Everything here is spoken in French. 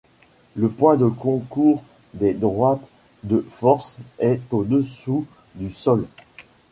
Le point de concours des droites de forces est au-dessous du sol.